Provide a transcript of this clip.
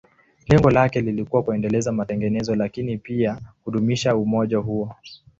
Lengo lake lilikuwa kuendeleza matengenezo, lakini pia kudumisha umoja huo.